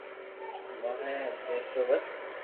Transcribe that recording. مون ھي پينتو بس